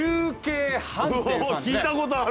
聞いたことある。